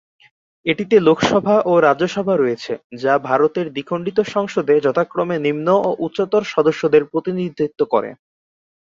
এটিতে লোকসভা ও রাজ্যসভা রয়েছে, যা ভারতের দ্বিখণ্ডিত সংসদে যথাক্রমে নিম্ন ও উচ্চতর সদস্যদের প্রতিনিধিত্ব করে।